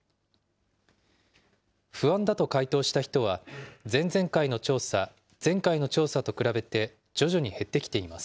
不安だと回答した人は、前々回の調査、前回の調査と比べて徐々に減ってきています。